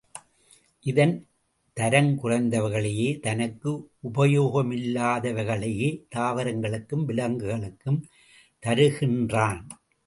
இவன் தரங்குறைந்தவைகளையே தனக்கு உபயோகமில்லாதவைகளையே தாவரங்களுக்கும் விலங்குகளுக்கும் தருகின்றான்.